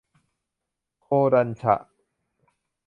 โคดันฉะ